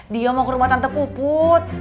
dia mau ke rumah tante puput